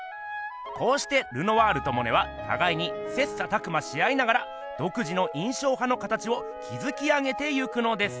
こうしてルノワールとモネはたがいに切磋琢磨し合いながらどく自の印象派の形をきずき上げていくのです。